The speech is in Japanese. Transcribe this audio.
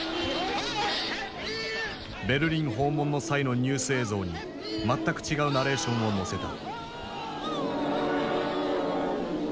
ベルリン訪問の際のニュース映像に全く違うナレーションをのせた。